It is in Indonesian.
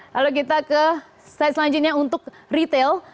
lalu kita ke slide selanjutnya untuk retail